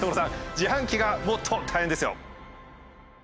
自販機がもっと大変ですよ。